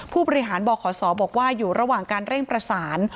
ผู้บริหารบขศบอกว่าอยู่ระหว่างการเร่งประสาน